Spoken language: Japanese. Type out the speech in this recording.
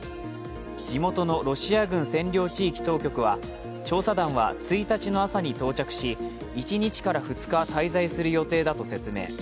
地元のロシア軍占領地域当局は調査団は１日の朝に到着し１日から２日滞在する予定だと説明。